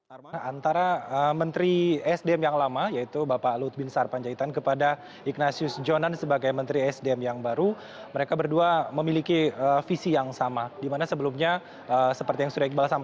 arman hari ini adalah hari pertama ignatius jonan dan juga archandra yang dimulai di sdm